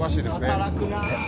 「働くなあ」